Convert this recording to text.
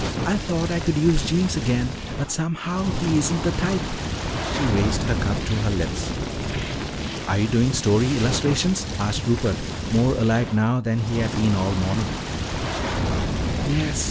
I thought I could use Jeems again, but somehow he isn't the type." She raised her cup to her lips. "Are you doing story illustrations?" asked Rupert, more alive now than he had been all morning. "Yes.